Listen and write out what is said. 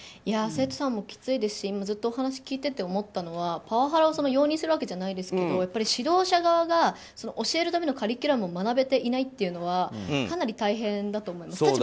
生徒さんもきついですしずっとお話聞いてて思ったのはパワハラを容認するわけじゃないですけど指導者側が教えるためのカリキュラムを学べていないというのはかなり大変だと思います。